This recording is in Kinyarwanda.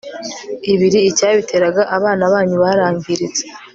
ibiri icyabiteraga Abana banyu barangiritse